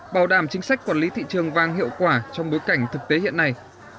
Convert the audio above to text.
bảo đảm chính sách quản lý thị trường vàng hiệu quả trong bối cảnh thực tế hiện nay